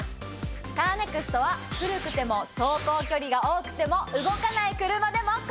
カーネクストは古くても走行距離が多くても動かない車でも。